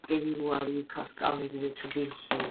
ის პროფესიით კომპიუტერული ინჟინერი გახდა.